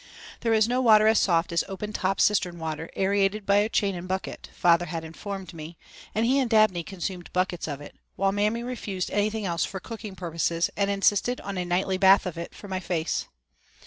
"There is no water as soft as open top cistern water, aerated by a chain and bucket," father had informed me, and he and Dabney consumed buckets of it, while Mammy refused anything else for cooking purposes and insisted on a nightly bath of it for my face.